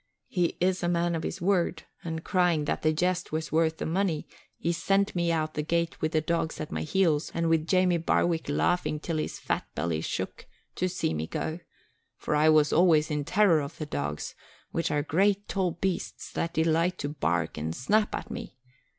He is a man of his word and, crying that the jest was worth the money, he sent me out the gate with the dogs at my heels and with Jamie Barwick laughing till his fat belly shook, to see me go; for I was always in terror of the dogs, which are great tall beasts that delight to bark and snap at me.